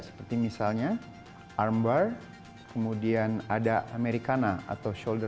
seperti misalnya arm bar kemudian ada americana atau shoulder lock